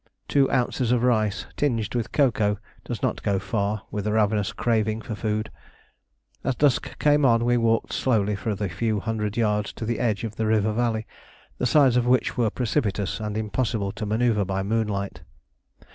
Two ounces of rice, tinged with cocoa, does not go far with a ravenous craving for food. As dusk came on we walked slowly for the few hundred yards to the edge of the river valley, the sides of which were precipitous and impossible to manoeuvre by moonlight.